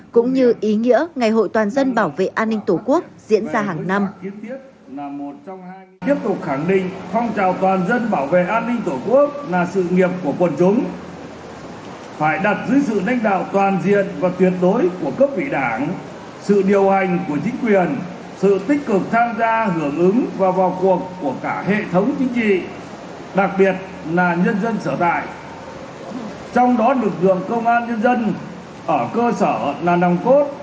cũng như ý nghĩa ngày hội toàn dân bảo vệ an ninh tổ quốc diễn ra hàng năm